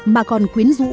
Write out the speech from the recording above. mà còn quyến rũ